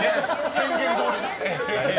宣言どおり。